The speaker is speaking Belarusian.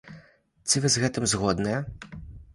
Ці вы з гэтым згодныя?